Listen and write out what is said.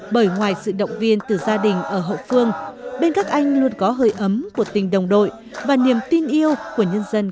bởi ngoài sự động viên từ gia đình ở hậu phương bên các anh luôn có hơi ấm của tình đồng đội và niềm tin yêu của nhân dân